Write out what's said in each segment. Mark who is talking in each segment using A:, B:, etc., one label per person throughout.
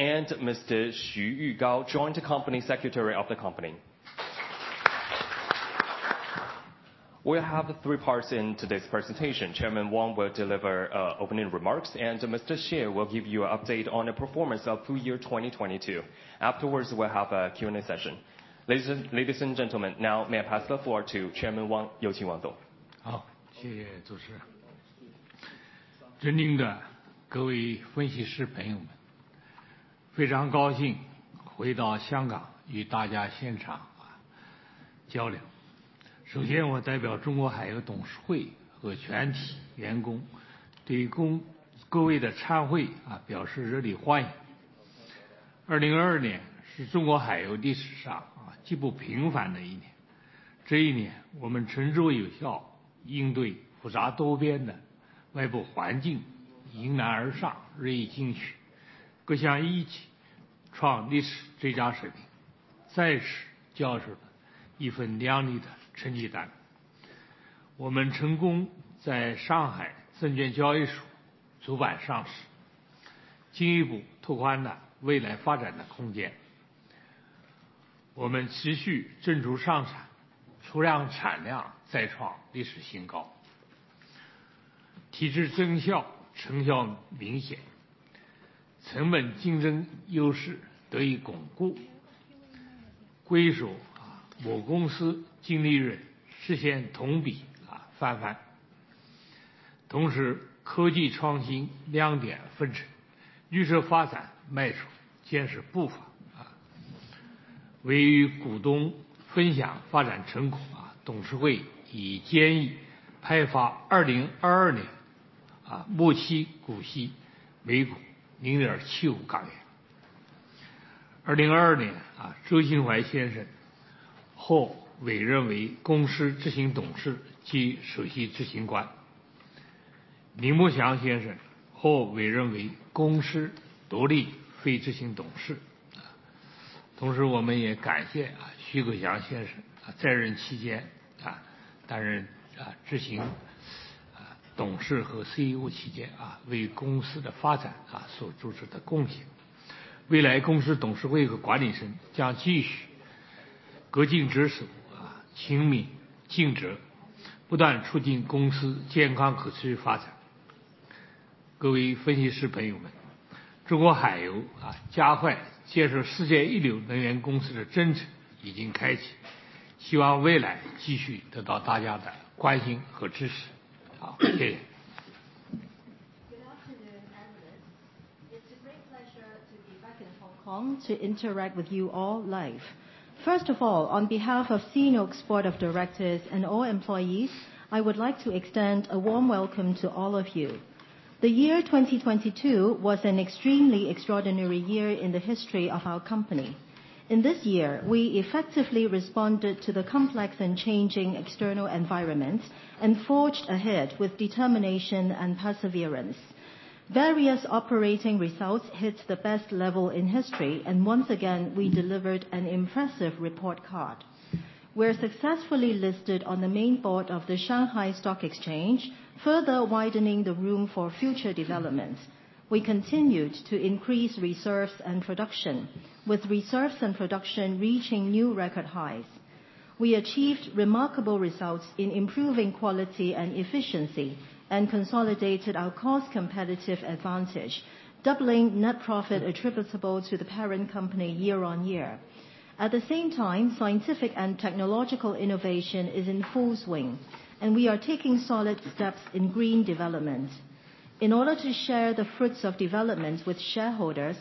A: Mr. Xu Yugao, Joint Company Secretary of the Company. We have three parts in today's presentation. Chairman Wang will deliver opening remarks, and Mr. Xie will give you an update on the performance of full year 2022. Afterwards, we'll have a Q&A session. Ladies and gentlemen, now may I pass the floor to Chairman Wang.
B: Good afternoon, analysts. It's a great pleasure to be back in Hong Kong to interact with you all live. First of all, on behalf of CNOOC's board of directors and all employees, I would like to extend a warm welcome to all of you. The year 2022 was an extremely extraordinary year in the history of our company. In this year, we effectively responded to the complex and changing external environments and forged ahead with determination and perseverance. Various operating results hit the best level in history. Once again, we delivered an impressive report card. We're successfully listed on the main board of the Shanghai Stock Exchange, further widening the room for future developments. We continued to increase reserves and production, with reserves and production reaching new record highs. We achieved remarkable results in improving quality and efficiency and consolidated our cost competitive advantage, doubling net profit attributable to the parent company year on year. At the same time, scientific and technological innovation is in full swing, and we are taking solid steps in green development. In order to share the fruits of developments with shareholders,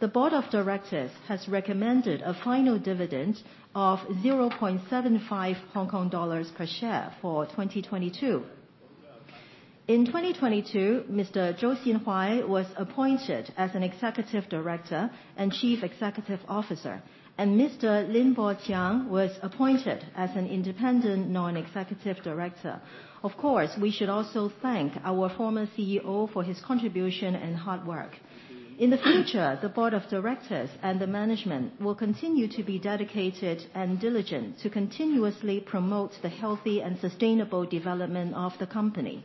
B: the board of directors has recommended a final dividend of 0.75 Hong Kong dollars per share for 2022. In 2022, Mr. Zhou Xinhuai was appointed as an Executive Director and Chief Executive Officer, and Mr. Lin Boqiang was appointed as an Independent Non-executive Director. Of course, we should also thank our former CEO for his contribution and hard work. In the future, the board of directors and the management will continue to be dedicated and diligent to continuously promote the healthy and sustainable development of the company.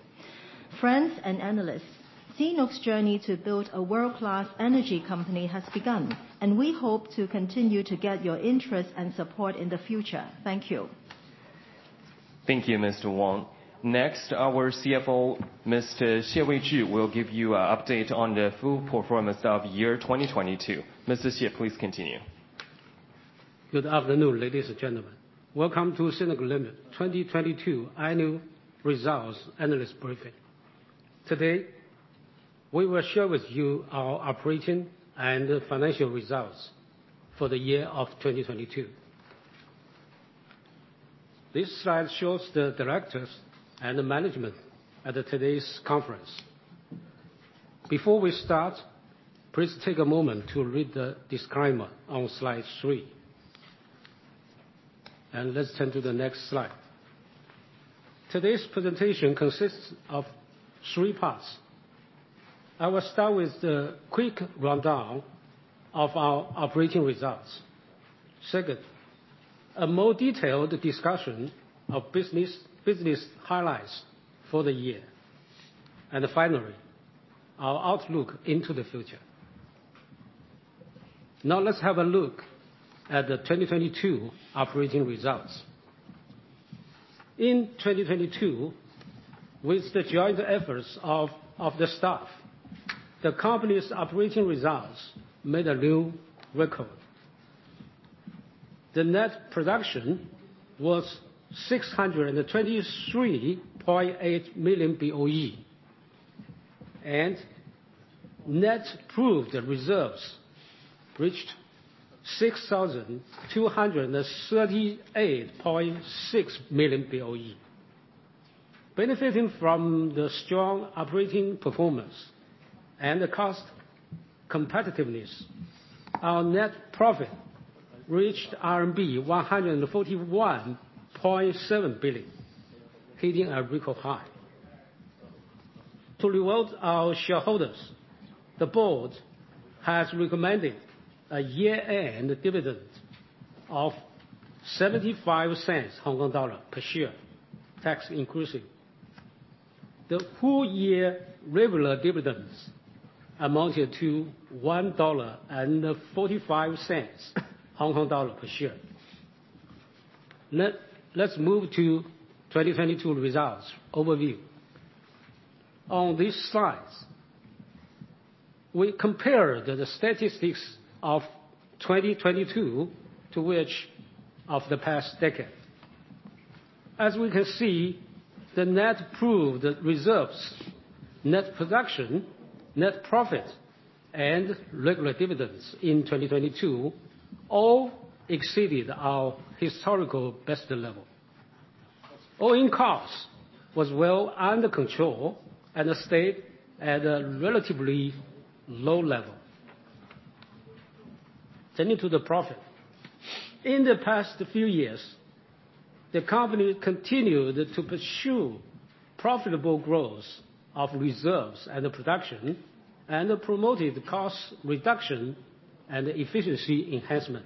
B: Friends and analysts, CNOOC's journey to build a world-class energy company has begun, and we hope to continue to get your interest and support in the future. Thank you.
A: Thank you, Mr. Wang. Next, our CFO, Mr. Xie Weizhi will give you an update on the full performance of year 2022. Mr. Xie, please continue.
C: Good afternoon, ladies and gentlemen. Welcome to CNOOC Limited 2022 annual results analyst briefing. Today, we will share with you our operating and financial results for the year of 2022. This slide shows the directors and the management at today's conference. Before we start, please take a moment to read the disclaimer on slide three. Let's turn to the next slide. Today's presentation consists of thre parts. I will start with the quick rundown of our operating results. Second, a more detailed discussion of business highlights for the year. Finally, our outlook into the future. Now let's have a look at the 2022 operating results. In 2022, with the joint efforts of the staff, the company's operating results made a new record. The net production was 623.8 million BOE. Net proved reserves reached 6,238.6 million BOE. Benefiting from the strong operating performance and cost competitiveness, our net profit reached RMB 141.7 billion, hitting a record high. To reward our shareholders, the board has recommended a year-end dividend of 0.75 per share, tax inclusive. The full year regular dividends amounted to 1.45 dollar per share. Let's move to 2022 results overview. On this slide, we compare the statistics of 2022 to which of the past decade. As we can see, the net proved reserves, net production, net profit, and regular dividends in 2022 all exceeded our historical best level. all-in cost was well under control and stayed at a relatively low level. Turning to the profit. In the past few years, the company continued to pursue profitable growth of reserves and production, and promoted cost reduction and efficiency enhancement.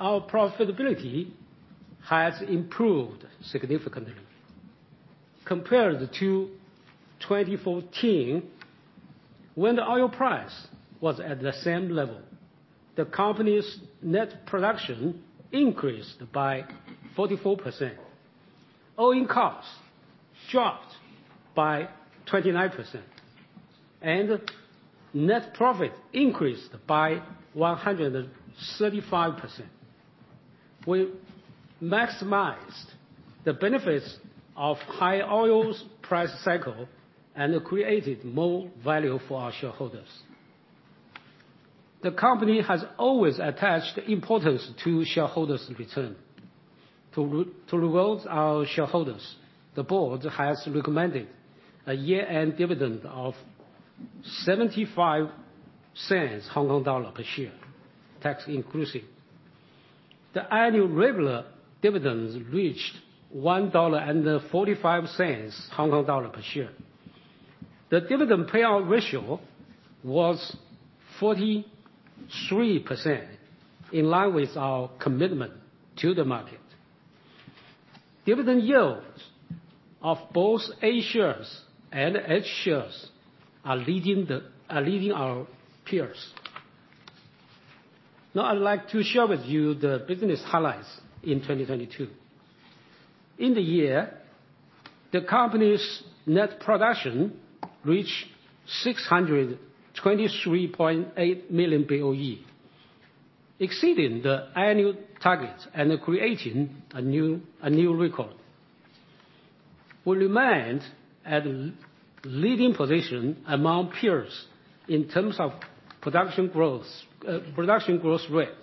C: Our profitability has improved significantly. Compared to 2014, when the oil price was at the same level, the company's net production increased by 44%. All-in costs dropped by 29%, and net profit increased by 135%. We maximized the benefits of high oil price cycle and created more value for our shareholders. The company has always attached importance to shareholders' return. To reward our shareholders, the board has recommended a year-end dividend of 0.75 per share, tax inclusive. The annual regular dividends reached 1.45 Hong Kong dollar per share. The dividend payout ratio was 43%, in line with our commitment to the market. Dividend yields of both A-shares and H-shares are leading our peers. I'd like to share with you the business highlights in 2022. In the year, the company's net production reached 623.8 million BOE, exceeding the annual targets and creating a new record. We remained at leading position among peers in terms of production growth rate,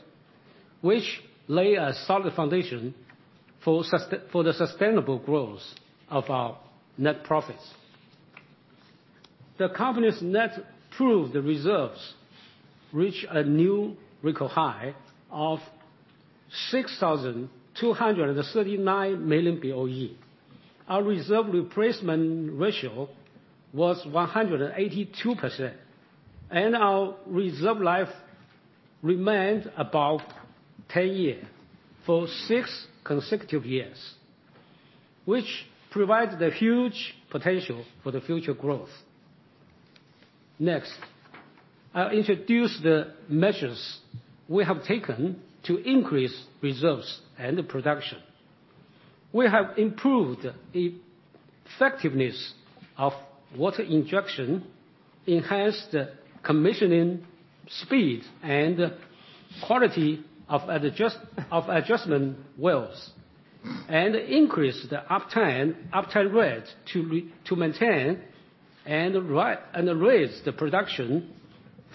C: which lay a solid foundation for the sustainable growth of our net profits. The company's net proved reserves reach a new record high of 6,239 million BOE. Our reserve replacement ratio was 182%, and our reserve life remained above 10 years for six consecutive years, which provides the huge potential for the future growth. I'll introduce the measures we have taken to increase reserves and the production. We have improved effectiveness of water injection, enhanced commissioning speed and quality of adjustment wells, and increased the uptime rate to maintain and raise the production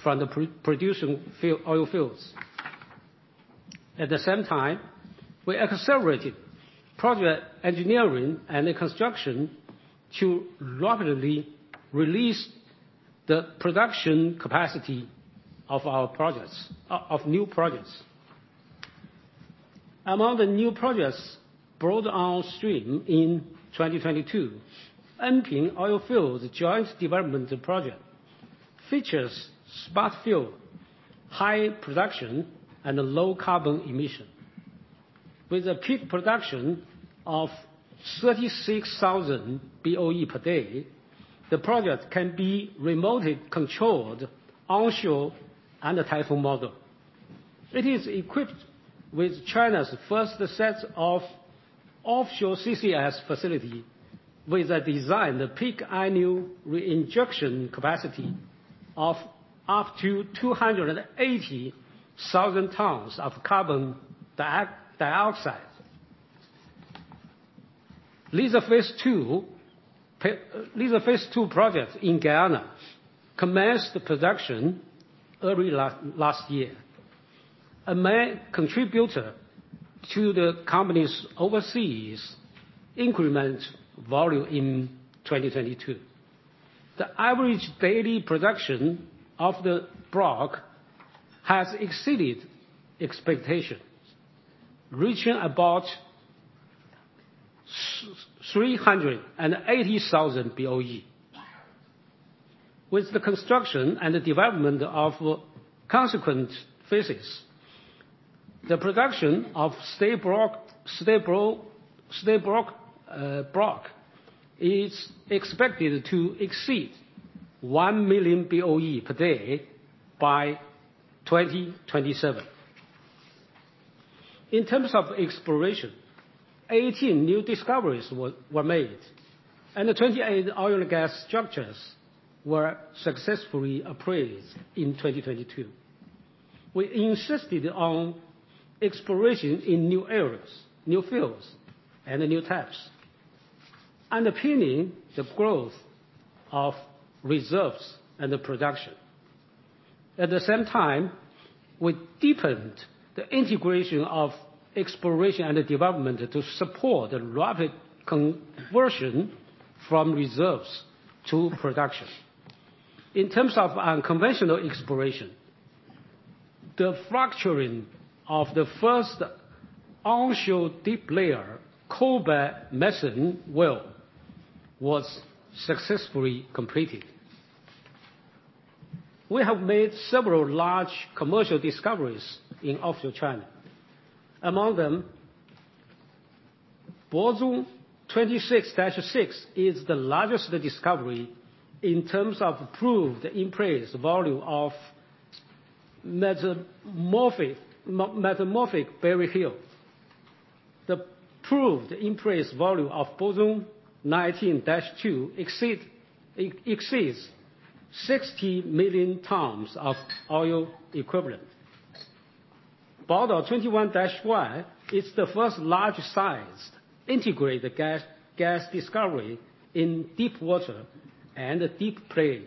C: from the producing oil fields. At the same time, we accelerated project engineering and construction to rapidly release the production capacity of our new projects. Among the new projects brought on stream in 2022, Enping Oilfield Joint Development Project features smart field, high production, and low carbon emission. With a peak production of 36,000 BOE per day, the project can be remotely controlled onshore and a typhoon mode. It is equipped with China's first set of offshore CCS facility with a design-peak annual reinjection capacity of up to 280,000 tons of carbon dioxide. Liza Phase II project in Guyana commenced production early last year, a main contributor to the company's overseas increment volume in 2022. The average daily production of the block has exceeded expectations, reaching about 380,000 BOE. With the construction and the development of consequent phases, the production of Stabroek Block is expected to exceed 1 million BOE per day by 2027. In terms of exploration, 18 new discoveries were made, and 28 oil and gas structures were successfully appraised in 2022. We insisted on exploration in new areas, new fields, and new types, underpinning the growth of reserves and the production. At the same time, we deepened the integration of exploration and development to support the rapid conversion from reserves to production. In terms of unconventional exploration, the fracturing of the first onshore deep layer coalbed methane well was successfully completed. We have made several large commercial discoveries in offshore China. Among them, Bozhong 26-6 is the largest discovery in terms of proved increased volume of metamorphic buried hill. The proved increased volume of Bozhong 19-2 exceeds 60 million tons of oil equivalent. Bozhong 21-1 is the first large sized integrated gas discovery in deep water and a deep play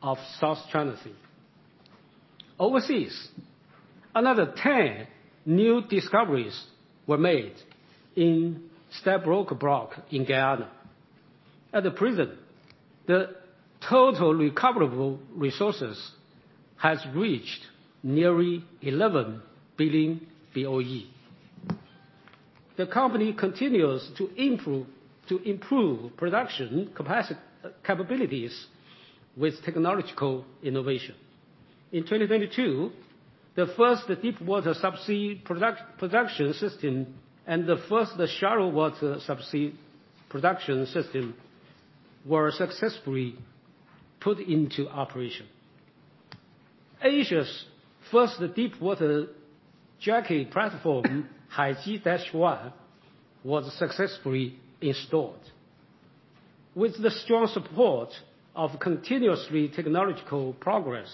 C: of South China Sea. Overseas, another 10 new discoveries were made in Stabroek Block in Guyana. At present, the total recoverable resources has reached nearly 11 billion BOE. The company continues to improve production capabilities with technological innovation. In 2022, the first deep water subsea production system and the first shallow water subsea production system were successfully put into operation. Asia's first deep water jacket platform, Haiji-1, was successfully installed. With the strong support of continuously technological progress,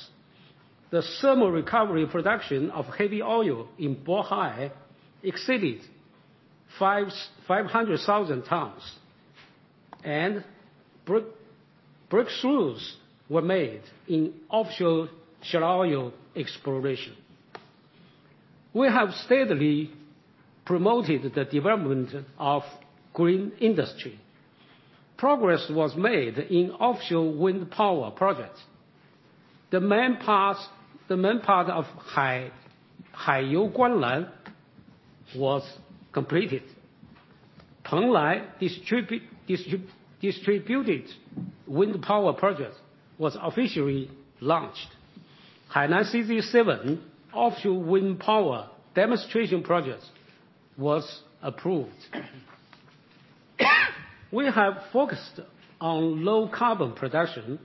C: the thermal recovery production of heavy oil in Bohai exceeded 5,500,000 tons, and breakthroughs were made in offshore shallow oil exploration. We have steadily promoted the development of green industry. Progress was made in offshore wind power projects. The main part of Haiyou Guanlan was completed. Penglai distributed wind power project was officially launched. Hainan CZ7 Offshore Wind Power Demonstration Project was approved. We have focused on low carbon production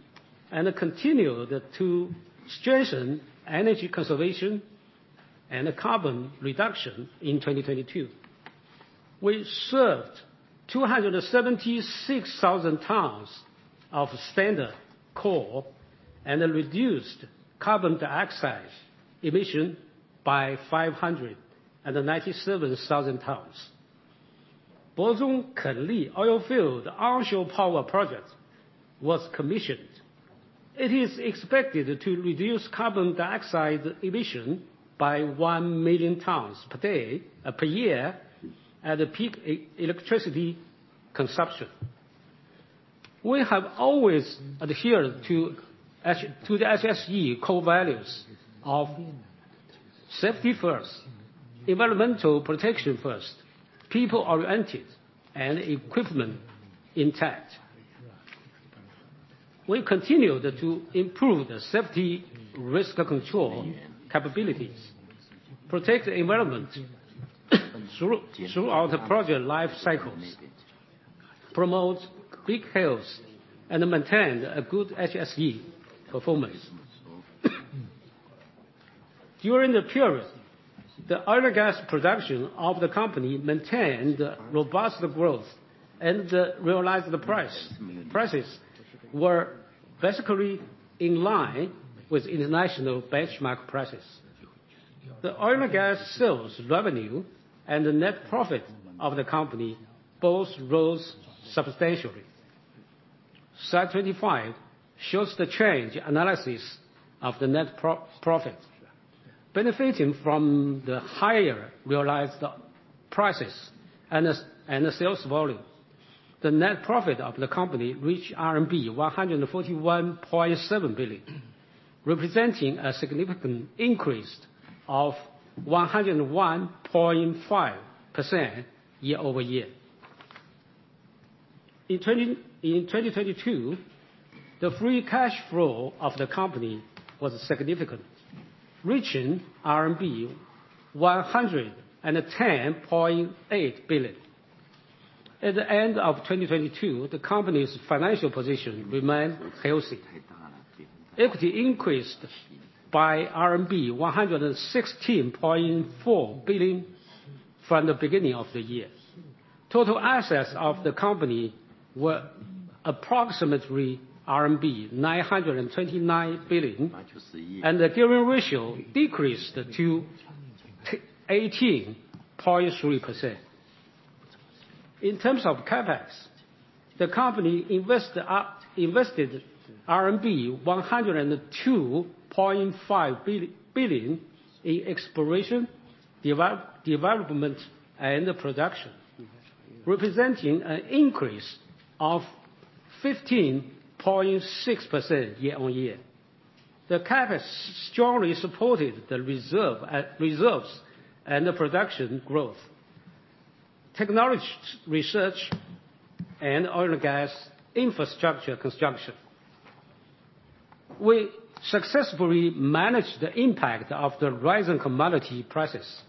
C: and continued to strengthen energy conservation and carbon reduction in 2022. We served 276,000 tons of standard coal and reduced carbon dioxide emission by 597,000 tons. Bozhong-Kenli oilfields onshore power project was commissioned. It is expected to reduce carbon dioxide emission by 1 million tons per year at peak electricity consumption. We have always adhered to the HSE core values of safety first, environmental protection first, people-oriented, and equipment intact. We continued to improve the safety risk control capabilities, protect the environment throughout the project life cycles, promote good health, and maintain a good HSE performance. During the period, the oil and gas production of the company maintained robust growth and realized the price. Prices were basically in line with international benchmark prices. The oil and gas sales revenue and the net profit of the company both rose substantially. Slide 25 shows the change analysis of the net profit. Benefiting from the higher realized prices and the sales volume, the net profit of the company reached RMB 141.7 billion, representing a significant increase of 101.5% year-over-year. In 2022, the free cash flow of the company was significant, reaching RMB 110.8 billion. At the end of 2022, the company's financial position remained healthy. Equity increased by RMB 116.4 billion from the beginning of the year. Total assets of the company were approximately RMB 929 billion, and the gearing ratio decreased to 18.3%. In terms of CapEx, the company invested RMB 102.5 billion in exploration, development, and production, representing an increase of 15.6% year-on-year. The CapEx strongly supported the reserves and the production growth, technology research, and oil and gas infrastructure construction. We successfully managed the impact of the rising commodity prices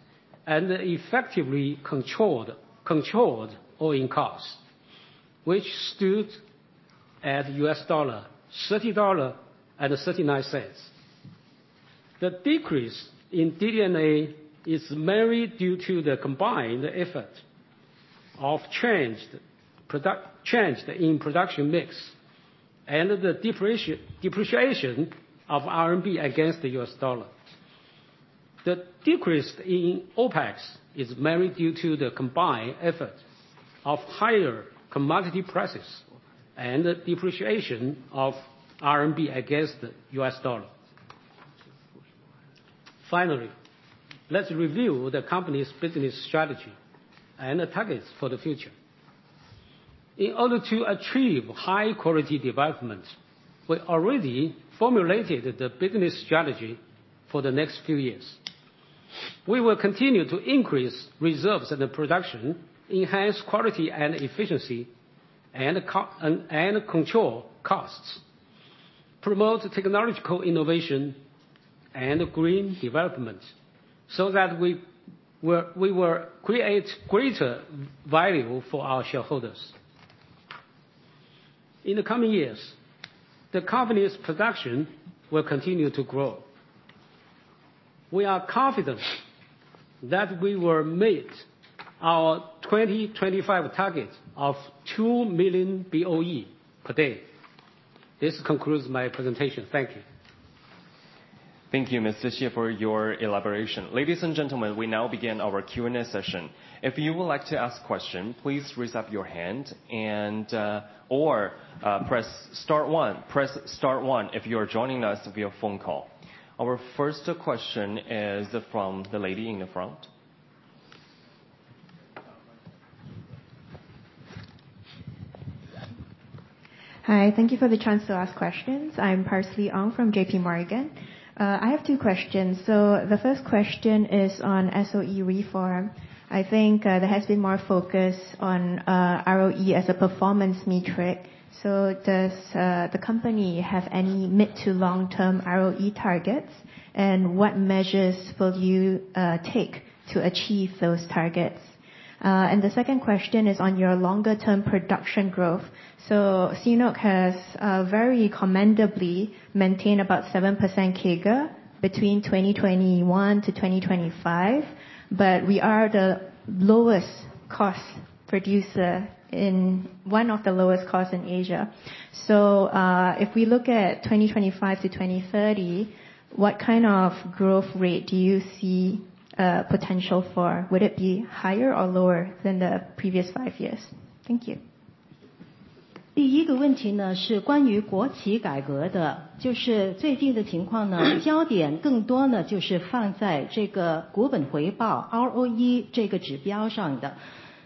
C: and effectively controlled all-in costs, which stood at $30.39. The decrease in D&A is mainly due to the combined effort of change in production mix and the depreciation of RMB against the US dollar. The decrease in OpEx is mainly due to the combined effort of higher commodity prices and the depreciation of RMB against the U.S. dollar. Finally, let's review the company's business strategy and the targets for the future. In order to achieve high-quality development, we already formulated the business strategy for the next few years. We will continue to increase reserves and the production, enhance quality and efficiency, and control costs, promote technological innovation and green development so that we will create greater value for our shareholders. In the coming years, the company's production will continue to grow. We are confident that we will meet our 2025 target of 2 million BOE per day. This concludes my presentation. Thank you.
A: Thank you, Mr. Xie, for your elaboration. Ladies and gentlemen, we now begin our Q&A session. If you would like to ask question, please raise up your hand or press star one. Press star one if you are joining us via phone call. Our first question is from the lady in the front.
D: Hi. Thank you for the chance to ask questions. I'm Parsley Ong from JPMorgan. I have two questions. The first question is on SOE reform. I think there has been more focus on ROE as a performance metric. Does the company have any mid to long-term ROE targets? What measures will you take to achieve those targets? The second question is on your longer term production growth. CNOOC has very commendably maintained about 7% CAGR between 2021 to 2025, but we are one of the lowest cost in Asia. If we look at 2025 to 2030, what kind of growth rate do you see potential for? Would it be higher or lower than the previous five years? Thank you.
B: 第一个问题呢是关于国企改革 的， 就是最近的情况 呢， 焦点更多 呢， 就是放在这个股本回报 ROE 这个指标上的。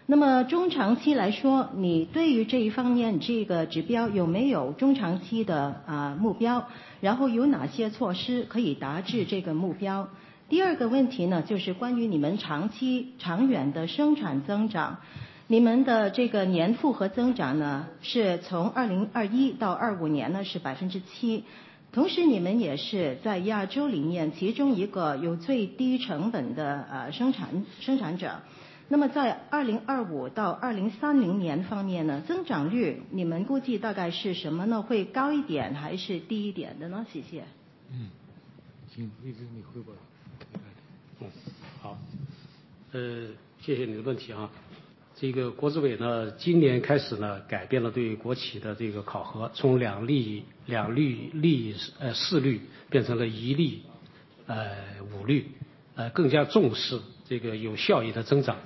B: 那么中长期来 说， 你对于这一方 面， 这个指标有没有中长期的啊目 标？ 然后有哪些措施可以达至这个目标？第二个问题 呢， 就是关于你们长期长远的生产增 长， 你们的这个年复合增长 呢， 是从2021到25年呢是百分之 七， 同时你们也是在亚洲里面其中一个有最低成本的啊生 产， 生产者。那么在2025到2030年方面 呢， 增长率你们估计大概是什么 呢？ 会高一点还是低一点的 呢？ 谢谢。
A: 请魏总你汇报。
C: 好。呃， 谢谢你的问题啊。这个国资委 呢， 今年开始 呢， 改变了对于国企的这个考 核， 从两 立， 两 率， 立， 呃四率变成了一 立， 呃， 五 率， 呃， 更加重视这个有效益的增长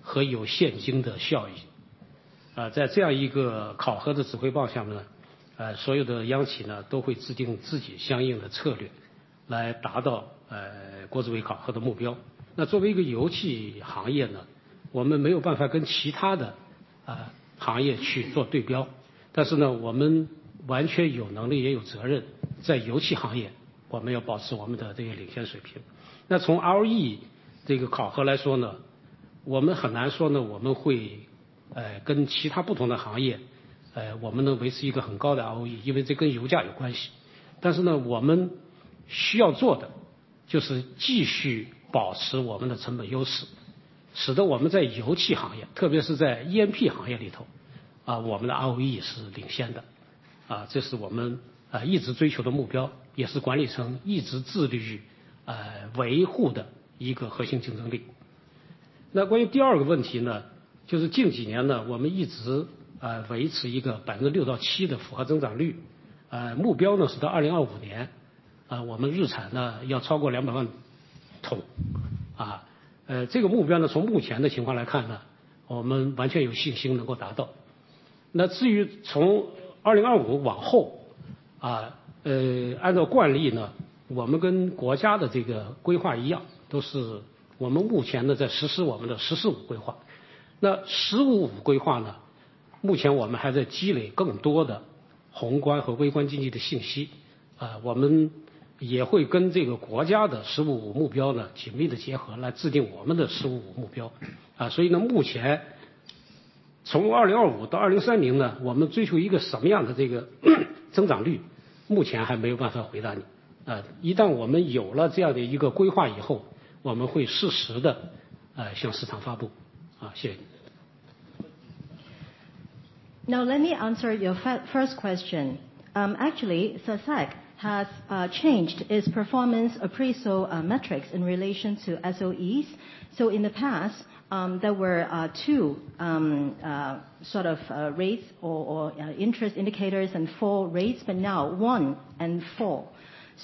C: 和有现金的效益。呃， 在这样一个考核的指挥棒下面 呢， 呃， 所有的央企 呢， 都会制定自己相应的策略来达到， 呃， 国资委考核的目标。那作为一个油气行业 呢， 我们没有办法跟其他的 呃， 行业去做对 标， 但是 呢， 我们完全有能力也有责任在油气行 业， 我们要保持我们的这个领先水平。那从 ROE 这个考核来说 呢， 我们很难说 呢， 我们 会， 呃， 跟其他不同的行 业， 呃， 我们能维持一个很高的 ROE， 因为这跟油价有关系。但是 呢， 我们需要做的就是继续保持我们的成本优 势， 使得我们在油气行 业， 特别是在 YNP 行业里 头， 啊我们的 ROE 是领先 的， 啊这是我 们， 啊一直追求的目 标， 也是管理层一直致力 于， 呃， 维护的一个核心竞争力。那关于第二个问题 呢， 就是近几年 呢， 我们一 直， 呃， 维持一个百分之六到七的复合增长 率， 呃， 目标呢是到2025年，啊我们日产呢要超过两百万 桶， 啊。呃， 这个目标 呢， 从目前的情况来看 呢， 我们完全有信心能够达到。那至于从2025往 后， 啊， 呃， 按照惯例 呢， 我们跟国家的这个规划一 样， 都是我们目前呢在实施我们的十四五规 划， 那十五五规划 呢， 目前我们还在积累更多的宏观和微观经济的信 息， 啊我们也会跟这个国家的十五五目标呢紧密地结合来制定我们的十五五目标。啊所以 呢， 目前从2025到2030 呢， 我们追求一个什么样的这个增长 率， 目前还没有办法回答你。呃， 一旦我们有了这样的一个规划以 后， 我们会适时 地， 呃， 向市场发布。啊， 谢谢你。
B: Let me answer your first question. Actually, CNOOC has changed its performance appraisal metrics in relation to SOEs. In the past, there were two sort of rates or interest indicators and four rates, but now one and four.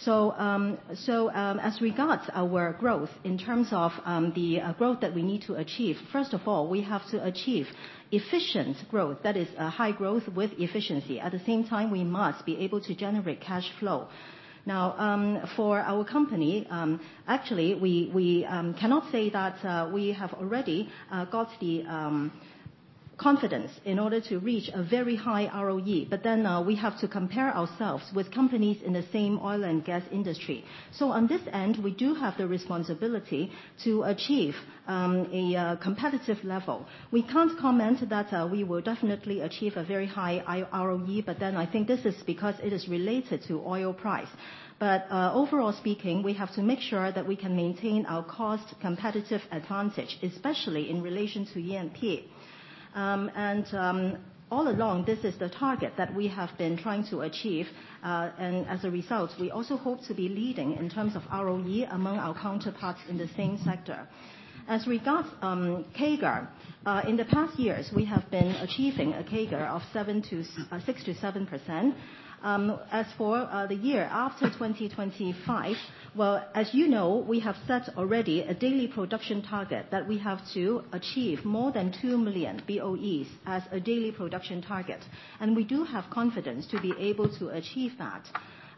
B: As regards our growth in terms of the growth that we need to achieve, first of all, we have to achieve efficient growth. That is a high growth with efficiency. At the same time, we must be able to generate cash flow. For our company, actually we cannot say that we have already got the confidence in order to reach a very high ROE. We have to compare ourselves with companies in the same oil and gas industry. On this end, we do have the responsibility to achieve a competitive level. We can't comment that we will definitely achieve a very high ROE, I think this is because it is related to oil price. Overall speaking, we have to make sure that we can maintain our cost competitive advantage, especially in relation to E&P. All along this is the target that we have been trying to achieve. As a result, we also hope to be leading in terms of ROE among our counterparts in the same sector. As regards CAGR, in the past years, we have been achieving a CAGR of 6%-7%. As for the year after 2025, well, as you know, we have set already a daily production target that we have to achieve more than 2 million BOEs as a daily production target, and we do have confidence to be able to achieve that.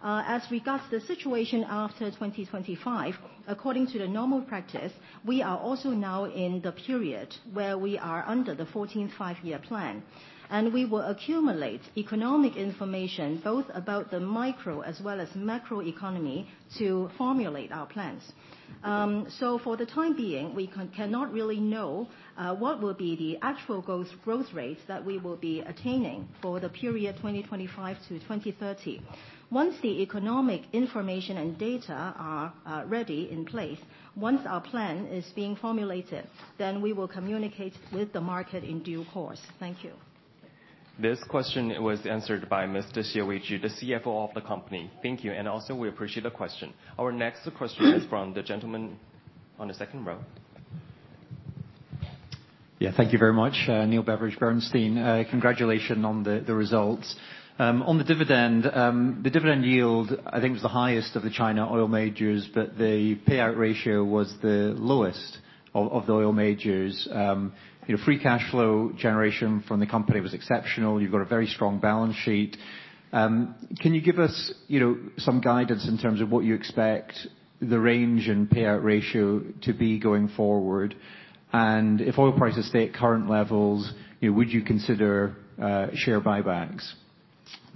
B: As regards the situation after 2025, according to the normal practice, we are also now in the period where we are under the 14th Five-Year Plan, we will accumulate economic information both about the micro as well as macro economy to formulate our plans. For the time being, we cannot really know what will be the actual growth rates that we will be attaining for the period 2025 to 2030. Once the economic information and data are ready in place, once our plan is being formulated, we will communicate with the market in due course. Thank you.
A: This question was answered by Mr. Xie Weizhi, the CFO of the company. Thank you. Also we appreciate the question. Our next question is from the gentleman on the second row.
E: Yeah, thank you very much. Neil Beveridge, Bernstein. Congratulation on the results on the dividend, the dividend yield, I think was the highest of the China oil majors, but the payout ratio was the lowest of the oil majors. Your free cash flow generation from the company was exceptional. You've got a very strong balance sheet. Can you give us, you know, some guidance in terms of what you expect the range and payout ratio to be going forward? If oil prices stay at current levels, would you consider share buybacks?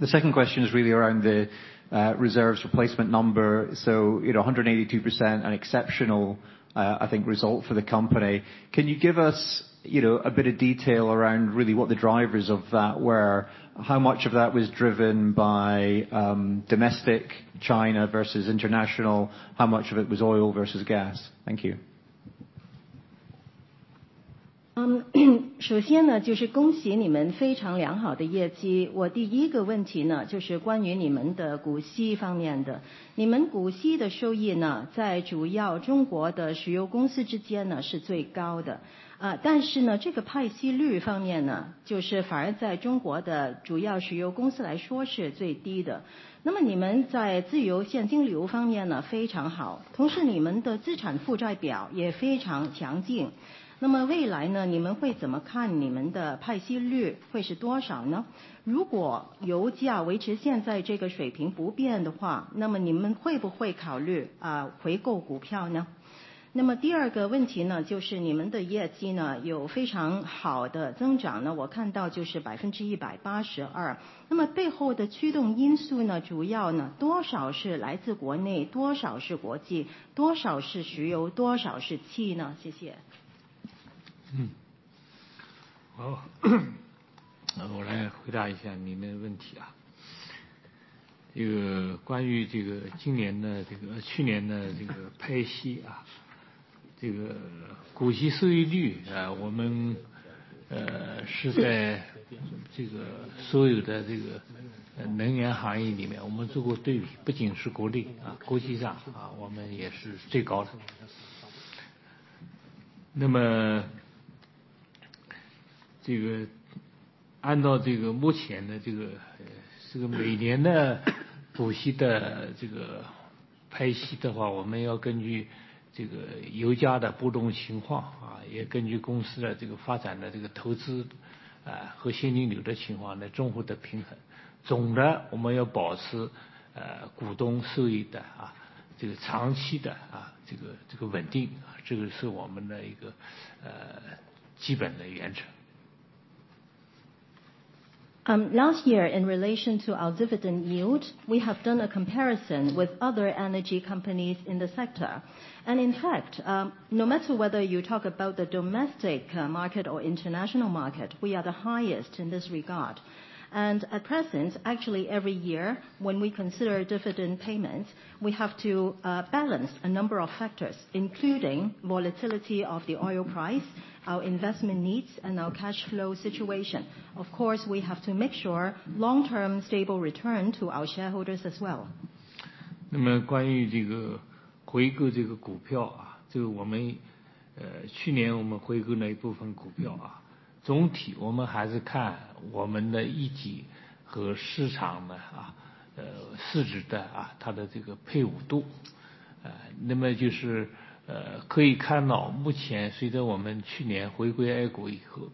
E: The second question is really around the reserves replacement number. You know, 182% an exceptional, I think, result for the company. Can you give us, you know, a bit of detail around really what the drivers of that were? How much of that was driven by domestic China versus international? How much of it was oil versus gas? Thank you.
B: 首先 呢， 就是恭喜你们非常良好的业绩。我第一个问题 呢， 就是关于你们的股息方面的。你们股息的收益 呢， 在主要中国的石油公司之间呢是最高的，但是 呢， 这个派息率方面 呢， 就是反而在中国的主要石油公司来说是最低的。那么你们在自由现金流方面 呢， 非常 好， 同时你们的资产负债表也非常强 劲， 那么未来 呢， 你们会怎么看你们的派息率会是多少 呢？ 如果油价维持现在这个水平不变的 话， 那么你们会不会考 虑， 回购股票呢？那么第二个问题 呢， 就是你们的业绩呢有非常好的增长 呢， 我看到就是 182%。那么背后的驱动因素 呢， 主要 呢， 多少是来自国 内， 多少是国 际， 多少是石 油， 多少是气 呢？ 谢谢。
F: 好。我来回答一下你的问题。这个关于这个今年的这个去年的这个派 息， 这个股息收益 率， 我们是在这个所有的这个能源行业里 面， 我们做过对 比， 不仅是国 内， 国际上我们也是最高的。那么这个按照这个目前的这个每年的股息的这个派息的 话， 我们要根据这个油价的波动情 况， 也根据公司的这个发展的、这个投 资， 和现金流的情况来综合地平衡。总的我们要保持股东收益的这个长期的这个稳 定， 这个是我们的一個基本的原则。
B: Last year in relation to our dividend yield, we have done a comparison with other energy companies in the sector. In fact, no matter whether you talk about the domestic market or international market, we are the highest in this regard. At present, actually every year when we consider dividend payments, we have to balance a number of factors, including volatility of the oil price, our investment needs and our cash flow situation. Of course, we have to make sure long term stable return to our shareholders as well.
F: 关于这个回购这个股 票， 这个我们去年我们回购了一部分股票。总体我们还是看我们的业绩和市场的市 值， 它的这个配伍度。就是可以看 到， 目前随着我们去年回归 A 股以 后，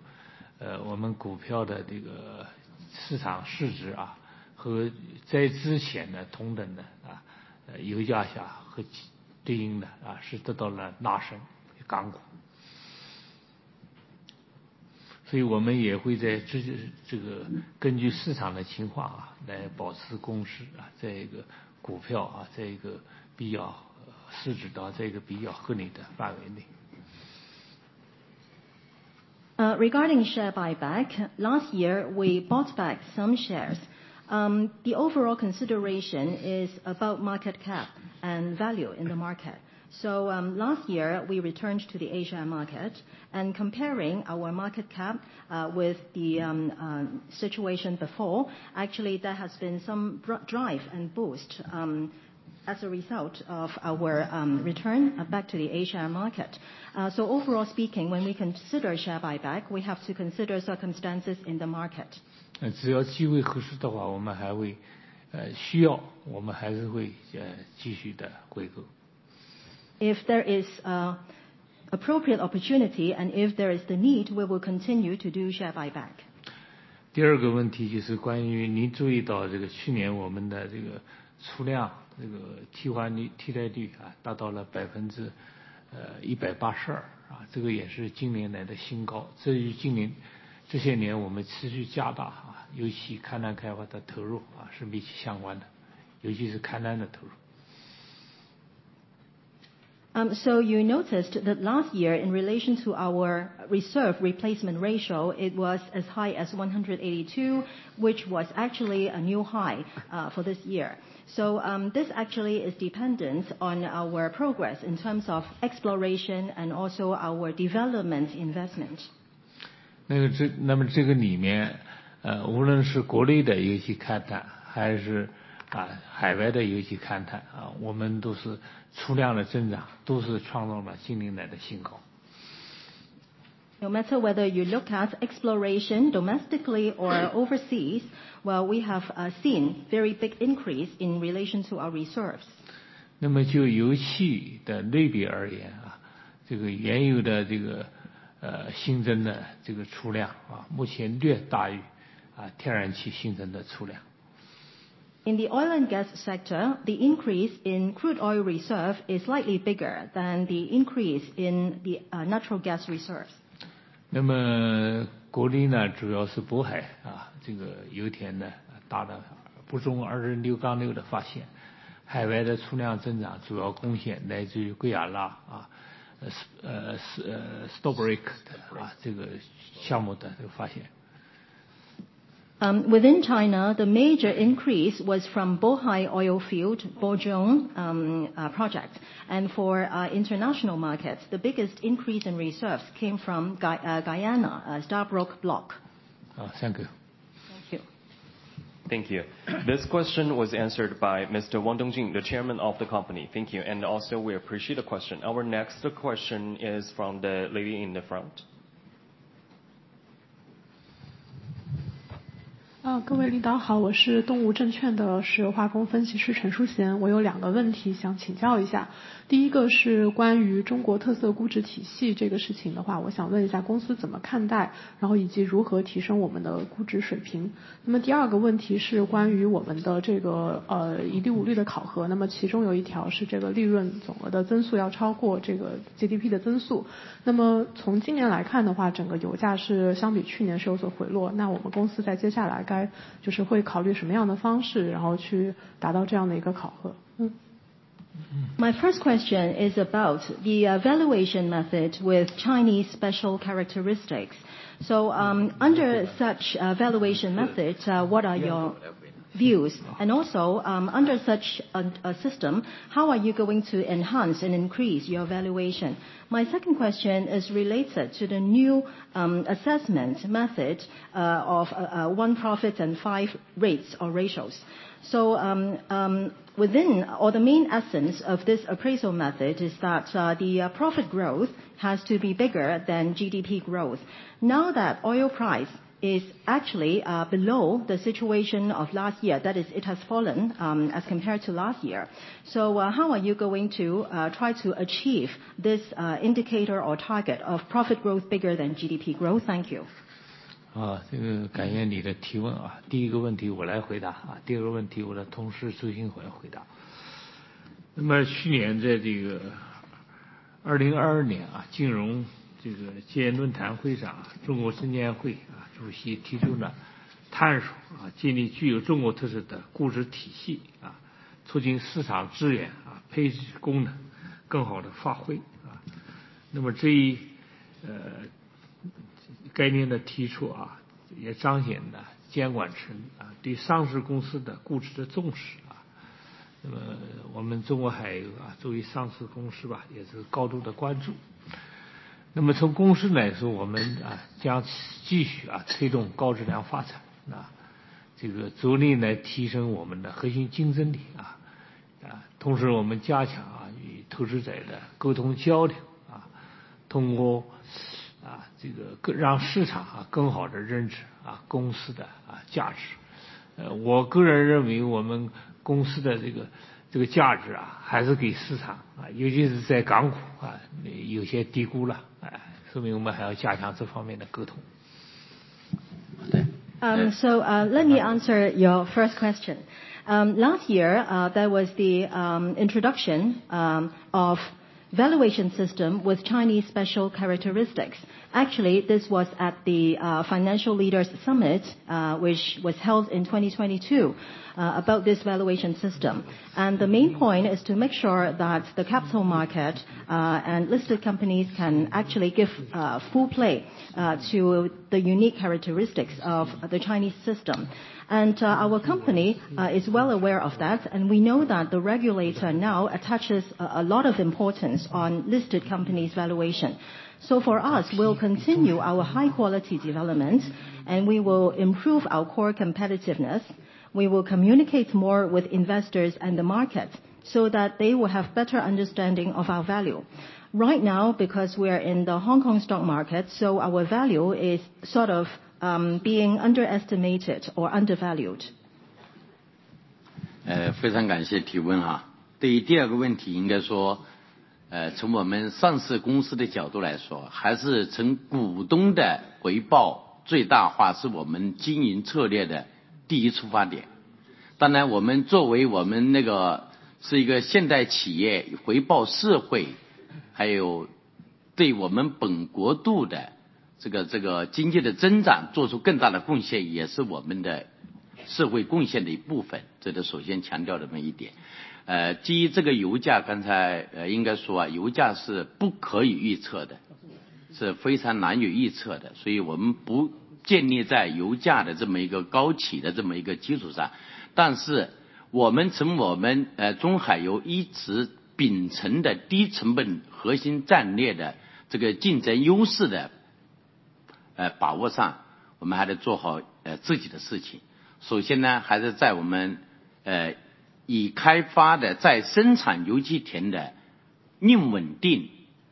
F: 我们股票的这个市场市值和在之前的同等油价下和对应的是得到了提 升， 刚刚。我们也会在这个根据市场的情况来保持公司在这个股票这个比较市值到这个比较合理的范围内。
B: Regarding share buyback. Last year, we bought back some shares. The overall consideration is about market cap and value in the market. Last year we returned to the A-share market and comparing our market cap with the situation before. Actually there has been some drive and boost as a result of our return back to the A-share market. Overall speaking, when we consider share buyback, we have to consider circumstances in the market.
F: 只要机会合适的 话， 我们还会需 要， 我们还是 会， 继续的回购。
B: If there is appropriate opportunity and if there is the need, we will continue to do share buyback.
F: 第二个问题就是关于您注意到这个去年我们的这个产 量， 这个替换 率， 替代率达到了 182%， 这个也是近年来的新 高， 这与这些年我们持续加大油气勘探开发的投入是密切相关 的， 尤其是勘探的投入。
B: You noticed that last year in relation to our reserve replacement ratio, it was as high as 182, which was actually a new high for this year. This actually is dependent on our progress in terms of exploration and also our development investment.
F: 那 个， 这， 那么这个里 面， 无论是国内的油气勘 探， 还是海外的油气勘 探， 我们都是出量的增 长， 都是创造了近年来的新 高.
B: No matter whether you look at exploration domestically or overseas, while we have seen very big increase in relation to our reserves.
F: 那么就油气的类别而 言, 这个原油的这 个, 新增的这个出 量, 目前略大 于, 天然气新增的出 量.
B: In the oil and gas sector, the increase in crude oil reserve is slightly bigger than the increase in the natural gas reserve.
F: 国内 呢， 主要是 Bohai， 这个油田的大的 Bozhong 26-6 的发 现， 海外的出量增长主要贡献来自于 Guyana， Stabroek， 这个项目的发现。
B: Within China, the major increase was from Bohai Oilfield Bozhong project. For international markets, the biggest increase in reserves came from Guyana, Stabroek Block.
F: Oh, thank you.
B: Thank you.
A: Thank you. This question was answered by Mr. Wang Dongjin, the Chairman of the company. Thank you. Also we appreciate the question. Our next question is from the lady in the front.
G: 啊， 各位领导 好， 我是东吴证券的石油化工分析师陈淑 贤， 我有两个问题想请教一 下， 第一个是关于中国特色估值体系这个事情的 话， 我想问一下公司怎么看 待， 然后以及如何提升我们的估值水 平？ 那么第二个问题是关于我们的这 个， 呃， 一利五率的考 核， 那么其中有一条是这个利润总额的增速要超过这个 GDP 的增速。那么从今年来看的 话， 整个油价是相比去年是有所回 落， 那我们公司在接下来该--就是会考虑什么样的方 式， 然后去达到这样的一个考核。嗯。
B: My first question is about the valuation method with Chinese Characteristics. Under such valuation methods, what are your views? Also under such a system, how are you going to enhance and increase your valuation? My second question is related to the new assessment method of one profit and five rates or ratios. The main essence of this appraisal method is that the profit growth has to be bigger than GDP growth. Now that oil price is actually below the situation of last year, that is it has fallen as compared to last year, how are you going to try to achieve this indicator or target of profit growth bigger than GDP growth? Thank you.
F: 啊， 这个感谢你的提问啊。第一个问题我来回 答， 啊， 第二个问题我的同事苏鑫华回答。那么去年在这个2022年 啊， 金融这个监管论坛会 上， 中国证监会啊主席提出了探索 啊， 建立具有中国特色的估值体 系， 啊， 促进市场资源 啊， 配置功能更好地发 挥， 啊。那么这 一， 呃， 概念的提出 啊， 也彰显了监管层 啊， 对上市公司的估值的重视啊。那么我们中国海油 啊， 作为上市公司 吧， 也是高度地关注。那么从公司来 说， 我们 啊， 将继续 啊， 推动高质量发 展， 那这个逐年来提升我们的核心竞争 力， 啊。啊， 同时我们加强 啊， 与投资者的沟通交 流， 啊， 通 过， 啊， 这 个， 让市场 啊， 更好地认识 啊， 公司的 啊， 价值。我个人认为我们公司的这个，这个价值 啊， 还是给市 场， 啊， 尤其是在港股 啊， 有些低估 了， 啊。所以我们还要加强这方面的沟通。
B: Let me answer your first question. Last year, there was the introduction of valuation system with Chinese characteristics. Actually, this was at the financial leaders summit, which was held in 2022, about this valuation system. The main point is to make sure that the capital market and listed companies can actually give full play to the unique characteristics of the Chinese system. Our company is well aware of that, and we know that the regulator now attaches a lot of importance on listed companies valuation. For us, we'll continue our high quality development, and we will improve our core competitiveness. We will communicate more with investors and the market, so that they will have better understanding of our value. Right now, because we are in the Hong Kong stock market, so our value is sort of being underestimated or undervalued.
H: 非常感谢提问。对于第二个问 题， 应该 说， 从我们上市公司的角度来 说， 还是从股东的回报最大化是我们经营策略的第一出发点。当然我们作为我们那个是一个现代企 业， 回报社 会， 还有对我们本国度的这个这个经济的增长做出更大的贡 献， 也是我们的社会贡献的一部 分， 这个首先强调这么一点。基于这个油 价， 刚才应该说油价是不可以预测 的， 是非常难以预测 的， 所以我们不建立在油价的这么一个高企的这么一个基础上。我们从我 们， 中海油一直秉承的低成本核心战略的这个竞争优势 的. 呃把握 上， 我们还得做好呃自己的事情。首先 呢， 还是在我们呃已开发的在生产油气田的命稳 定，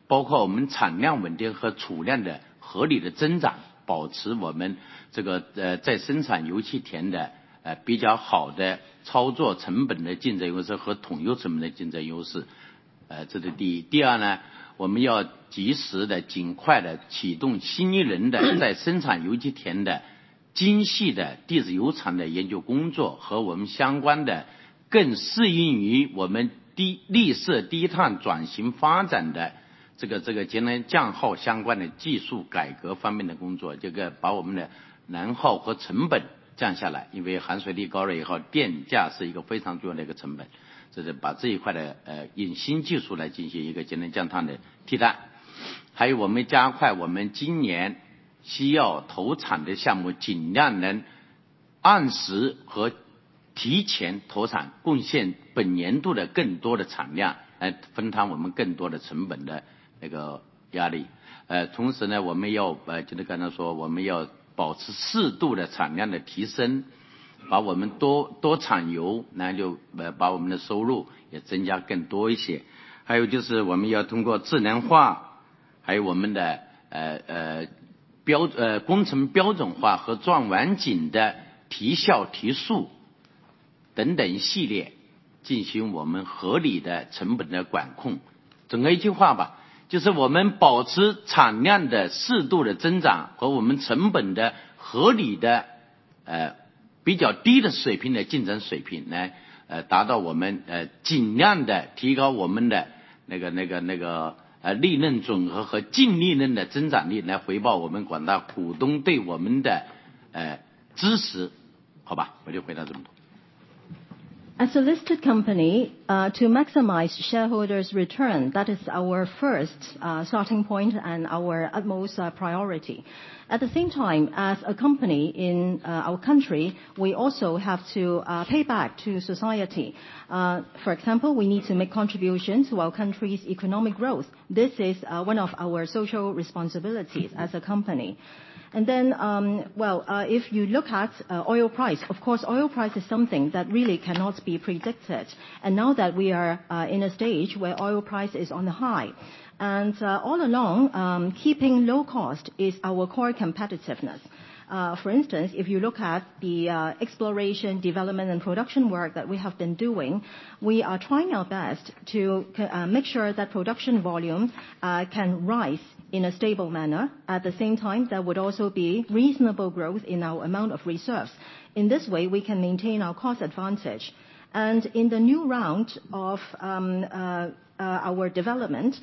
H: 包括我们产量稳定和储量的合理的增 长， 保持我们这个呃在生产油气田的呃比较好的操作成本的竞争优势和桶油成本的竞争优 势， 呃， 这是第一。第二 呢， 我们要及时地、尽快地启动新一轮的在生产油气田的精细的地质油藏的研究工 作， 和我们相关的更适应于我们低--低碳转型发展的这个这个节能降耗相关的技术改革方面的工 作， 这个把我们的能耗和成本降下 来， 因为含水率高了以 后， 电价是一个非常重要的一个成 本， 这是把这一块的呃引新技术来进行一个节能降耗的替代。还有我们加快我们今年需要投产的项 目， 尽量能按时和提前投 产， 贡献本年度的更多的产 量， 来分摊我们更多的成本的这个压力。呃同时呢我们要 把， 就是刚才 说， 我们要保持适度的产量的提 升， 把我们 多， 多产 油， 那就把我们的收入也增加更多一些。还有就是我们要通过智能化，还有我们的呃 呃， 标--呃工程标准化和钻井的提效提速等等系列进行我们合理的成本的管控。总的一句话 吧， 就是我们保持产量的适度的增长和我们成本的合理的呃比较低的水平的竞争水平来呃达到我们呃尽量的提高我们的那 个， 那 个， 那个呃利润总和和净利润的增长 力， 来回报我们广大股东对我们的呃支持。好 吧， 我就回答这么多。
B: As a listed company, to maximize shareholders return, that is our first starting point and our utmost priority. At the same time, as a company in our country, we also have to pay back to society. For example, we need to make contributions to our country's economic growth. This is one of our social responsibilities as a company. Well, if you look at oil price, of course oil price is something that really cannot be predicted. We are in a stage where oil price is on the high. Keeping low cost is our core competitiveness. For instance, if you look at the exploration, development and production work that we have been doing, we are trying our best to make sure that production volume can rise in a stable manner. At the same time, there would also be reasonable growth in our amount of reserves. In this way, we can maintain our cost advantage. In the new round of our development,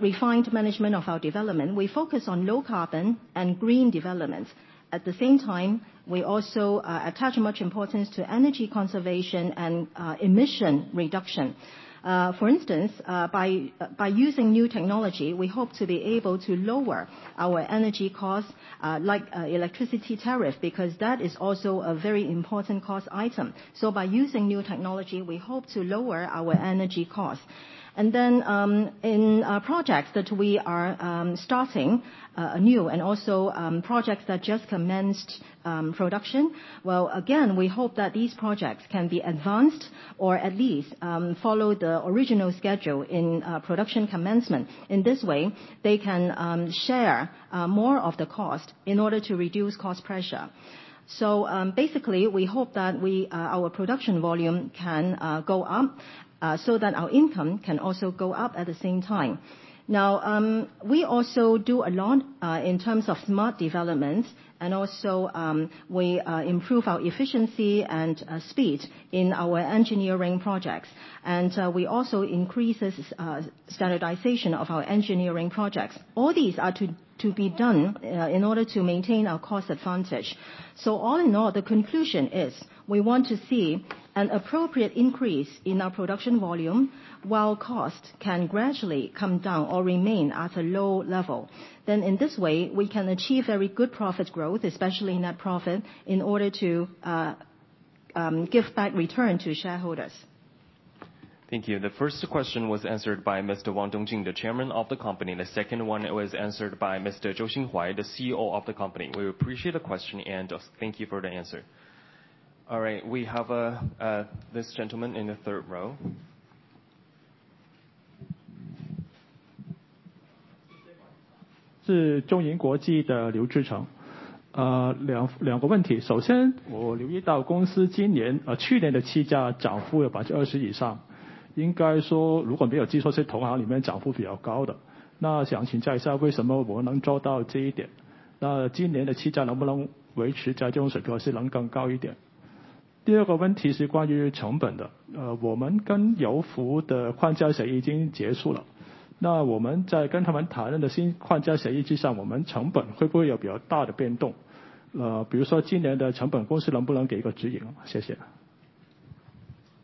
B: refined management of our development, we focus on low carbon and green development. At the same time, we also attach much importance to energy conservation and emission reduction. For instance, by using new technology, we hope to be able to lower our energy costs, like electricity tariff, because that is also a very important cost item. By using new technology, we hope to lower our energy cost. Then, in our projects that we are starting anew and also projects that just commenced production, again, we hope that these projects can be advanced or at least, follow the original schedule in production commencement. In this way, they can share more of the cost in order to reduce cost pressure. Basically, we hope that we our production volume can go up, so that our income can also go up at the same time. Now, we also do a lot in terms of smart development and also, we improve our efficiency and speed in our engineering projects. We also increase the standardization of our engineering projects. All these are to be done in order to maintain our cost advantage. All in all, the conclusion is we want to see an appropriate increase in our production volume, while cost can gradually come down or remain at a low level. In this way, we can achieve very good profit growth, especially net profit, in order to give back return to shareholders.
A: Thank you. The first question was answered by Mr. Wang Dongjin, the Chairman of the company. The second one was answered by Mr. Zhou Xinhuai, the CEO of the company. We appreciate the question and thank you for the answer. All right. We have this gentleman in the third row.
I: 是中银国际的刘志成。两个问题。首先我留意到公司今 年， 去年的气价涨幅有 20% 以 上， 应该说如果没有记错是同行里面涨幅比较高的。想请教一下为什么我们能做到这一 点？今 年的气价能不能维持在这种水 平， 或是能更高一 点？第 二个问题是关于成本的。我们跟油服的框架协议已经结束 了， 我们在跟他们谈论的新框架协议之 上， 我们成本会不会有比较大的变 动？比 如说今年的成 本， 公司能不能给一个指 引？谢 谢。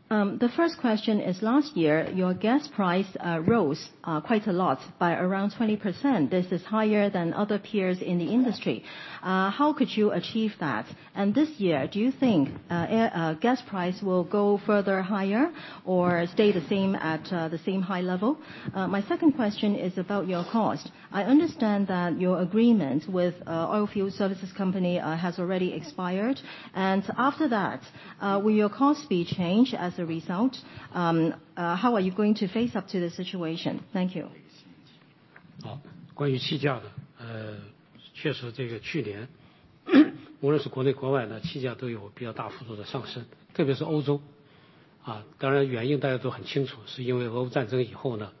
B: The first question is last year your gas price rose quite a lot by around 20%. This is higher than other peers in the industry. How could you achieve that? This year, do you think gas price will go further higher or stay the same at the same high level? My second question is about your cost. I understand that your agreement with oil field services company has already expired. After that, will your cost be changed as a result? How are you going to face up to the situation? Thank you.
C: 关于气价 的， 呃， 确实这个去年无论是国内国外的气价都有比较大幅度的上 升， 特别是欧 洲， 啊当然原因大家都很清 楚， 是因为俄乌战争以后 呢，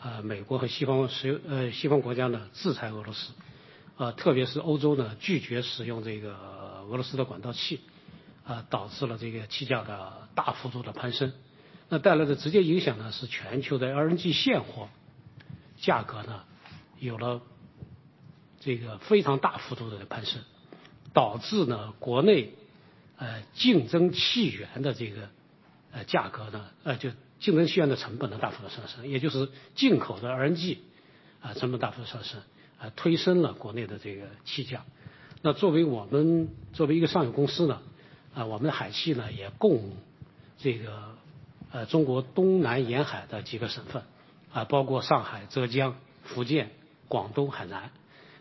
C: 啊美国和西方 国， 西-西方国家呢制裁俄罗 斯， 啊特别是欧洲 呢， 拒绝使用这个俄罗斯的管道 气， 啊导致了这个气价的大幅度地攀升。那带来的直接影响 呢， 是全球的 LNG 现货价格 呢， 有了这个非常大幅度的攀 升， 导致了国 内， 呃， 竞争气源的这 个， 呃， 价格 呢， 就竞争气源的成本的大幅度上 升， 也就是进口的 LNG 啊成本大幅上 升， 啊推升了国内的这个气价。那作为我 们， 作为一个上游公司呢，啊我们的海气 呢， 也供这 个， 呃， 中国东南沿海的几个省 份， 啊包括上海、浙江、福建、广东、海南。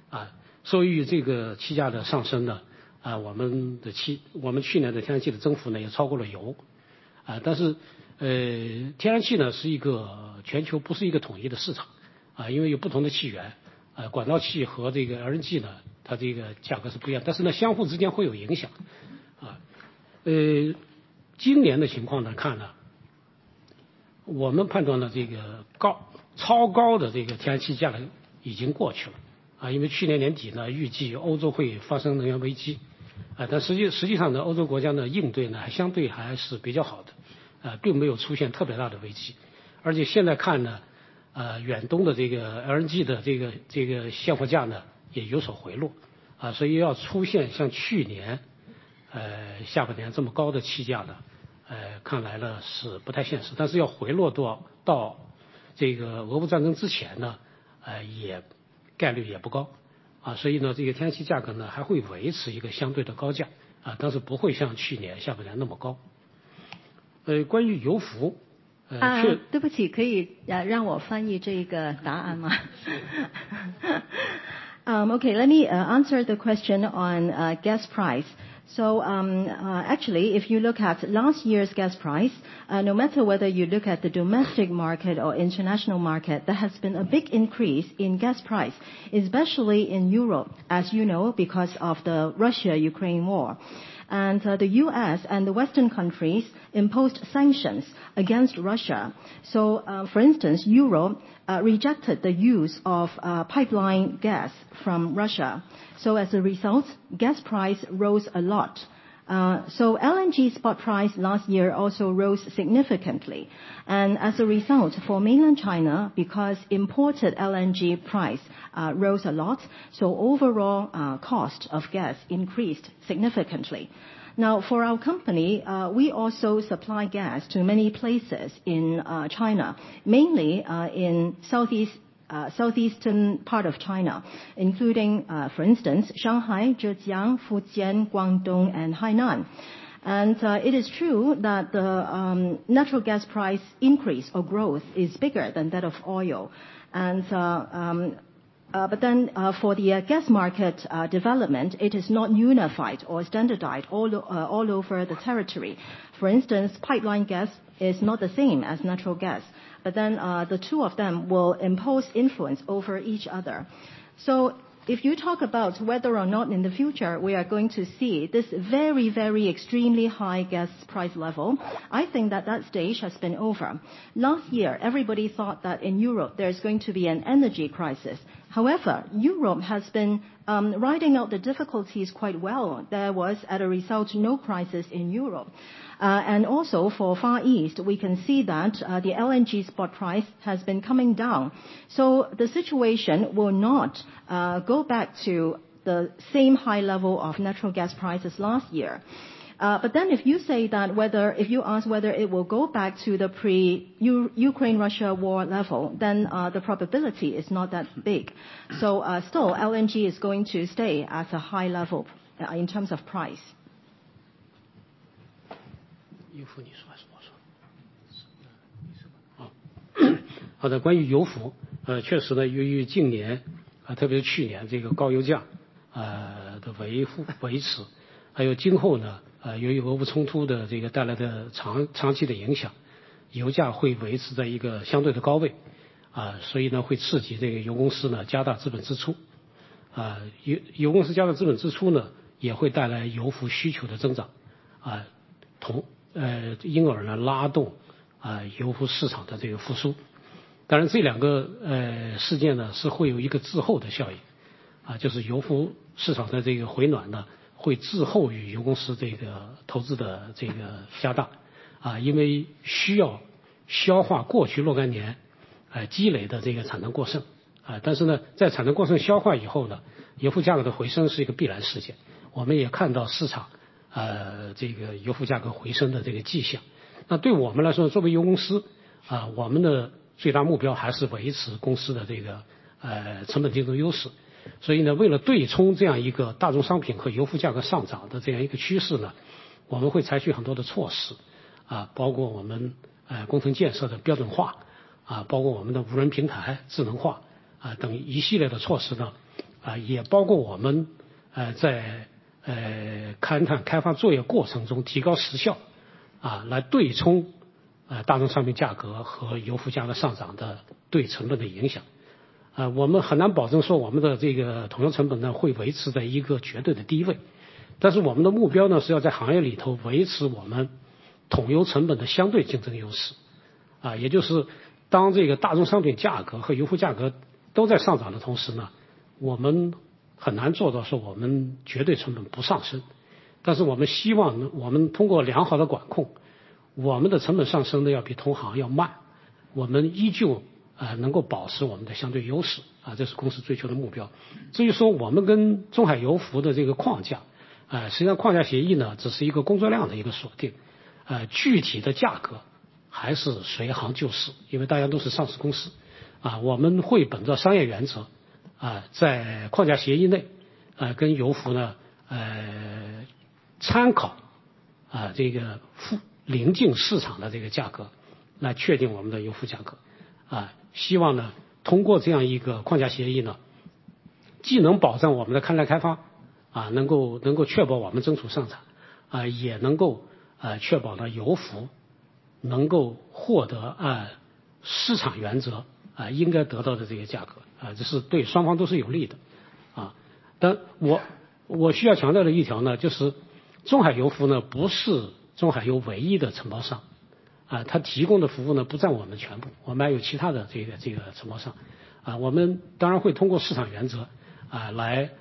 C: 啊， 所以这个气价的上升 呢， 啊我们的 气， 我们去年的天然气的增幅 呢， 也超过了油。啊但 是， 呃， 天然气 呢， 是一个全球不是一个统一的市 场， 啊因为有不同的气 源， 啊管道气和这个 LNG 呢， 它这个价格是不一 样， 但是呢相互之间会有影响啊。呃， 今年的情况呢看 呢， 我们判断 呢， 这个高--超高的这个天然气价格已经过去 了， 啊因为去年年底 呢， 预计欧洲会发生能源危 机， 啊但实 际， 实际上 呢， 欧洲国家的应对呢还相对还是比较好 的， 啊并没有出现特别大的危机。而且现在看 呢， 呃， 远东的这个 LNG 的这 个， 这个现货价呢也有所回 落， 啊所以要出现像去年， 呃， 下半年这么高的气价 呢， 呃， 看来 呢， 是不太现 实， 但是要回落 到， 到这个俄乌战争之前 呢， 呃， 也--概率也不高 啊， 所以 呢， 这个天然气价格 呢， 还会维持一个相对的高 价， 啊但是不会像去年下半年那么高。呃， 关于油服-
B: 对不 起, 可以让我翻译这个答案 吗？ Okay, let me answer the question on gas price. Actually, if you look at last year's gas price, no matter whether you look at the domestic market or international market, there has been a big increase in gas price, especially in Europe, as you know, because of the Russia-Ukraine war. The U.S. and the Western countries imposed sanctions against Russia. For instance, Europe rejected the use of pipeline gas from Russia. As a result, gas price rose a lot. LNG spot price last year also rose significantly. As a result for Mainland China, because imported LNG price rose a lot, overall cost of gas increased significantly. Now for our company, we also supply gas to many places in China, mainly in southeastern part of China, including, for instance Shanghai, Zhejiang, Fujian, Guangdong and Hainan. It is true that the natural gas price increase or growth is bigger than that of oil. For the gas market development, it is not unified or standardized all over the territory. For instance, pipeline gas is not the same as natural gas, but then the two of them will impose influence over each other. If you talk about whether or not in the future we are going to see this very, very extremely high gas price level. I think that that stage has been over. Last year, everybody thought that in Europe there is going to be an energy crisis. However, Europe has been riding out the difficulties quite well. There was, as a result, no crisis in Europe and also for Far East. We can see that the LNG spot price has been coming down. The situation will not go back to the same high level of natural gas prices last year. If you ask whether it will go back to the pre-Ukraine-Russia war level, then the probability is not that big. Still LNG is going to stay at a high level in terms of price.
C: 油服你说还是我说。好。好 的， 关于油 服， 呃， 确实 呢， 由于近 年， 啊特别是去年这个高油 价， 呃， 的维-维 持， 还有今后 呢， 呃， 由于俄乌冲突的这个带来的长-长期的影 响， 油价会维持在一个相对的高 位， 啊所以 呢， 会刺激这个油公司呢加大资本支出。啊油-油公司加大资本支出 呢， 也会带来油服需求的增 长， 啊同-- 呃， 因而来拉 动， 啊油服市场的这个复苏。当然这两 个， 呃， 事件 呢， 是会有一个滞后的效 应， 啊就是油服市场的这个回暖呢，会滞后于油公司这个投资的这个加 大， 啊因为需要消化过去若干年积累的这个产能过剩。啊但是 呢， 在产能过剩消化以后 呢， 油服价格的回升是一个必然事 件， 我们也看到市 场， 呃， 这个油服价格回升的这个迹象。那对我们来 说， 作为油公 司， 啊我们的最大目标还是维持公司的这个 呃， 成本竞争优势。所以 呢， 为了对冲这样一个大宗商品和油服价格上涨的这样一个趋势 呢， 我们会采取很多的措 施， 啊包括我们呃工程建设的标准 化， 啊包括我们的无人平台智能化啊等一系列的措施 呢， 啊也包括我们啊在呃勘探开发作业过程中提高时效 啊， 来对冲呃大宗商品价格和油服价格上涨的对成本的影响。啊我们很难保证说我们的这个桶油成本 呢， 会维持在一个绝对的第一 位， 但是我们的目标 呢， 是要在行业里头维持我们桶油成本的相对竞争优势。啊也就是当这个大宗商品价格和油服价格都在上涨的同时 呢， 我们很难做到说我们绝对成本不上 升， 但是我们希望我们通过良好的管 控， 我们的成本上升得要比同行要 慢， 我们依旧啊能够保持我们的相对优 势， 啊这是公司追求的目标。至于说我们跟中海油服的这个框 架， 啊实际上框架协议 呢， 只是一个工作量的一个锁 定， 呃具体的价格还是随行就 市， 因为大家都是上市公 司， 啊我们会本着商业原则 啊， 在框架协议内跟油服 呢， 呃， 参考啊这个邻近市场的这个价格来确定我们的油服价格。啊希望 呢， 通过这样一个框架协议 呢， 既能保证我们的勘探开发 啊， 能 够， 能够确保我们正常上 产， 啊也能够啊确保了油服能够获得按市场原则 啊， 应该得到的这个价格 啊， 这是对双方都是有利的啊。但 我， 我需要强调的一条 呢， 就是中海油服 呢， 不是中海油唯一的承包商 啊， 它提供的服务 呢， 不在我们全 部， 我们还有其他的这 个， 这个承包 商， 啊我们当然会通过市场原则 啊， 来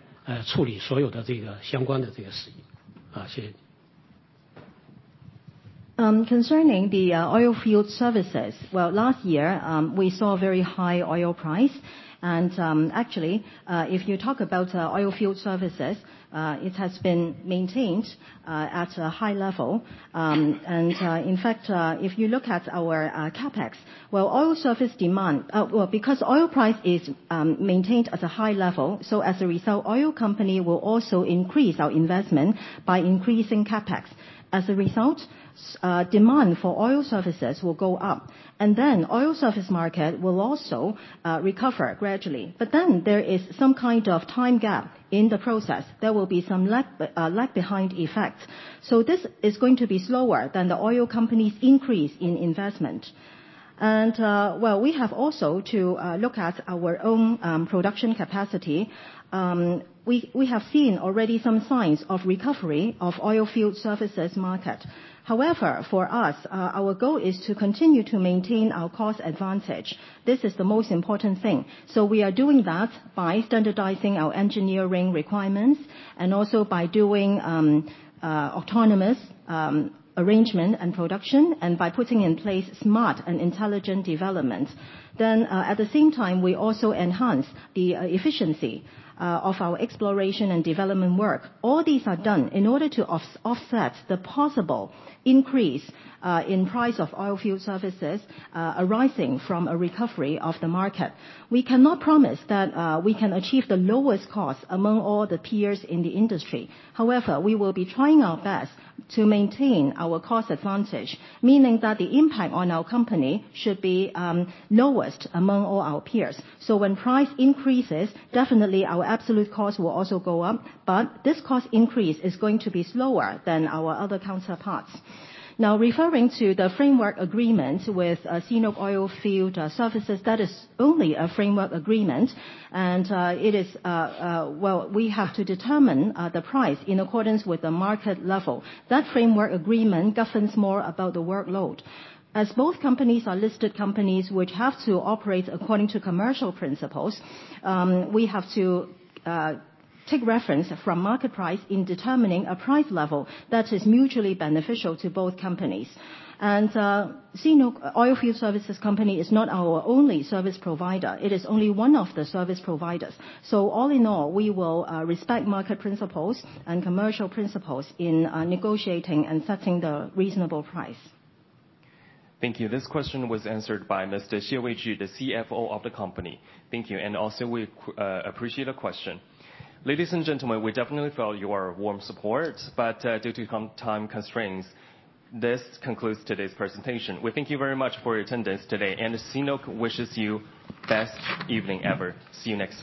C: 处理所有的这个相关的这个事宜。啊， 谢谢。
B: Concerning the oilfield services. Well, last year, we saw very high oil price. Actually, if you talk about oilfield services, it has been maintained at a high level. In fact, if you look at our CapEx, well, oil service demand well, because oil price is maintained at a high level, as a result, oil company will also increase our investment by increasing CapEx. As a result, demand for oil services will go up, and then oil service market will also recover gradually. There is some kind of time gap in the process, there will be some lag-behind effect. This is going to be slower than the oil companies increase in investment. We have also to look at our own production capacity. We have seen already some signs of recovery of oilfield services market. However, for us, our goal is to continue to maintain our cost advantage. This is the most important thing. We are doing that by standardizing our engineering requirements and also by doing autonomous arrangement and production, and by putting in place smart and intelligent development. At the same time, we also enhance the efficiency of our exploration and development work. All these are done in order to offset the possible increase in price of oilfield services, arising from a recovery of the market. We cannot promise that we can achieve the lowest cost among all the peers in the industry. However, we will be trying our best to maintain our cost advantage, meaning that the impact on our company should be lowest among all our peers. When price increases, definitely our absolute cost will also go up. This cost increase is going to be slower than our other counterparts. Now referring to the framework agreements with CNOOC Oilfield Services, that is only a framework agreement, we have to determine the price in accordance with the market level. That framework agreement governs more about the workload. As both companies are listed companies which have to operate according to commercial principles, we have to take reference from market price in determining a price level that is mutually beneficial to both companies. CNOOC Oilfield Services company is not our only service provider, it is only one of the service providers. All in all, we will respect market principles and commercial principles in negotiating and setting the reasonable price.
A: Thank you. This question was answered by Mr. Xie Weizhi, the CFO of the company. Thank you. Also we appreciate the question. Ladies and gentlemen, we definitely feel your warm support, but due to time constraints, this concludes today's presentation. We thank you very much for your attendance today. CNOOC wishes you best evening ever. See you next time.